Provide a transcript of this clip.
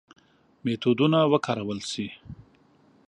میتودونه وکارول شي.